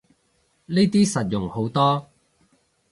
呢啲實用好多